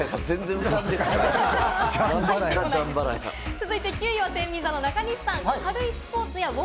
続いて９位は、てんびん座の中西さん。